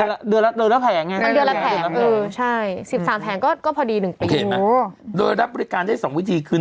มันเดือนละแผงเออใช่๑๓แผงก็พอดี๑ปีโอเคไหมโดยรับบริการได้๒วิธีคือ๑